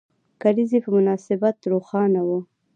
کلیزې په مناسبت روښانه وو.